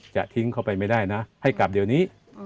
จะทิ้งเขาไปไม่ได้นะให้กลับเดี๋ยวนี้